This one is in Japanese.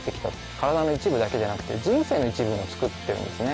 体の一部だけじゃなくて人生の一部もつくってるんですね。